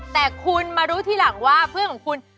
แต่คุณมารู้ทีหลังว่าเพื่อนของคุณ